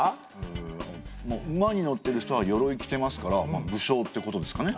ん馬に乗ってる人はよろい着ていますから武将ってことですかね。